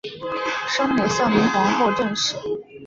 生母孝明皇后郑氏。